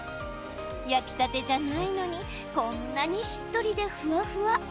焼きたてじゃないのにこんなにしっとりでふわふわ。